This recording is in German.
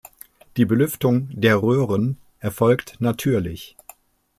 Die Belüftung der Röhren erfolgt natürlich.